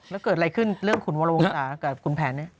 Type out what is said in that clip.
แล้วเกิดอะไรขึ้นเรื่องขุนวรวงศากับขุนแผนเนี่ย